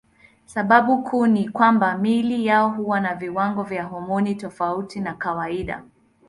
Sababu kuu ni kwamba miili yao huwa na viwango vya homoni tofauti na kawaida.